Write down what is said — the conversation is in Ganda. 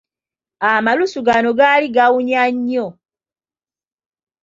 Amalusu gano gaali gawunya nnyo!